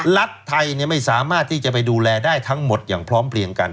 รัฐไทยไม่สามารถที่จะไปดูแลได้ทั้งหมดอย่างพร้อมเพลียงกัน